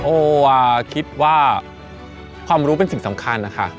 โอคิดว่าความรู้เป็นสิ่งสำคัญนะคะ